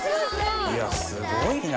いやすごいな！